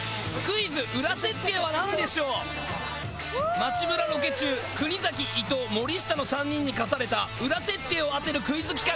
街ブラロケ中国崎伊藤森下の３人に課されたウラ設定を当てるクイズ企画。